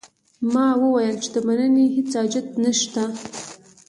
ما وویل چې د مننې هیڅ حاجت نه شته.